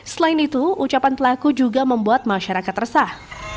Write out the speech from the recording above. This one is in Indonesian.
selain itu ucapan pelaku juga membuat masyarakat resah